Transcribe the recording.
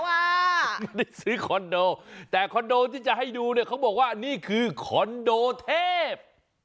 ไม่ได้ซื้อคอนโดแต่คอนโดที่จะให้ดูเนี่ยเขาบอกว่านี่คือคอนโดเทพ